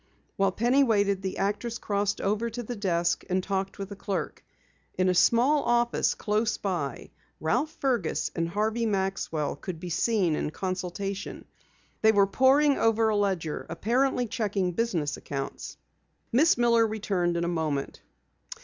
While Penny waited, the actress crossed over to the desk and talked with a clerk. In a small office close by, Ralph Fergus and Harvey Maxwell could be seen in consultation. They were poring over a ledger, apparently checking business accounts. Miss Miller returned in a moment.